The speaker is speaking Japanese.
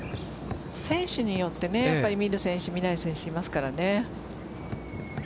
選手によって見る選手見ない選手がいますからね。